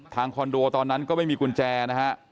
ทางคอนโดตอนนั้นก็ไม่มีกุญแจนะครับ